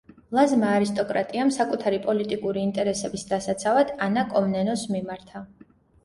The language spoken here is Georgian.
ლაზმა არისტოკრატიამ საკუთარი პოლიტიკური ინტერესების დასაცავად ანა კომნენოს მიმართა.